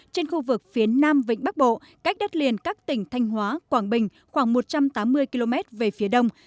trên khu vực phía nam vịnh bắc bộ cách đất liền các tỉnh thanh hóa quảng bình khoảng một trăm tám mươi km về phía đông